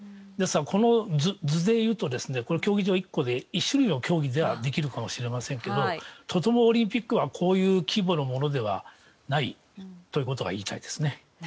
この図でいうと競技場１個で１種類の競技はできるかもしれませんけどとてもオリンピックはこういう規模のものではないということが言いたいですね。